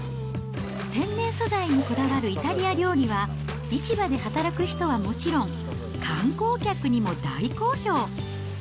天然素材にこだわるイタリア料理は、市場で働く人はもちろん、観光客にも大好評。